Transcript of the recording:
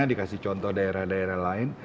dikasih contoh daerah daerah lain